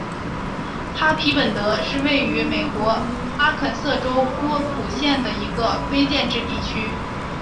哈皮本德是位于美国阿肯色州波普县的一个非建制地区。